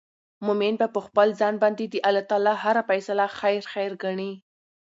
مؤمن به په خپل ځان باندي د الله تعالی هره فيصله خير خير ګڼې